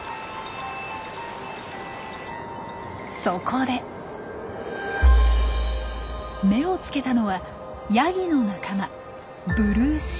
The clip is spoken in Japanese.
そこで目をつけたのはヤギの仲間